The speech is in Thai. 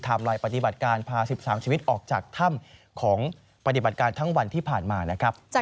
ลายปฏิบัติการพา๑๓ชีวิตออกจากถ้ำของปฏิบัติการทั้งวันที่ผ่านมานะครับ